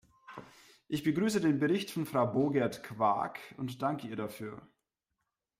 Ich begrüße den Bericht von Frau Boogerd-Quaak und danke ihr dafür.